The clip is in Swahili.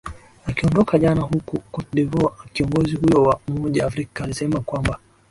akiondoka jana huku cote de voire kiongozi huyo wa umoja afrika alisema kwamba